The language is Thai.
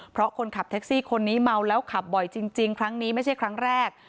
เพราะคนขับแท็กซี่คนนี้เมาแล้วขับบ่อยจริงครั้งนี้ไม่ใช่ครั้งแรก